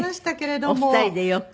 お二人でよく。